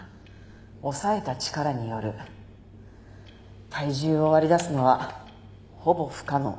押さえた力による体重を割り出すのはほぼ不可能。